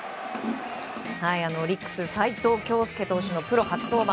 オリックス齋藤響介投手のプロ初登板。